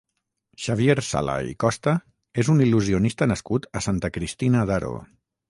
Xavier Sala i Costa és un il·lusionista nascut a Santa Cristina d'Aro.